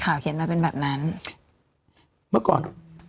เขียนมาเป็นแบบนั้นเมื่อก่อน